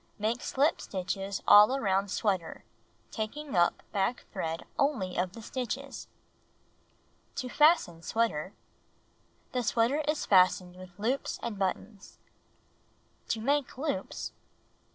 Make slip stitches all around sweater taking up back thread only of the stitches. To Fasten Sweater The sweater is fastened with loops and buttons. To Make Loops 1.